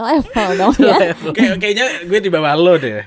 kayaknya gue di bawah lo deh